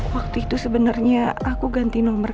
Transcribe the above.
waktu itu sebenarnya aku ganti nomor